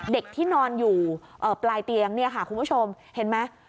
เด็กที่นอนอยู่ปลายเตียงเนี่ยค่ะคุณผู้ชมเห็นไหม